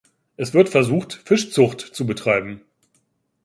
Es wird versucht, Fischzucht zu betreiben.